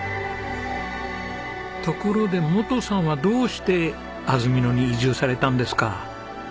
ところで本さんはどうして安曇野に移住されたんですか？